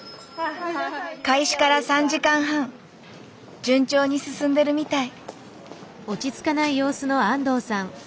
開始から３時間半順調に進んでるみたい。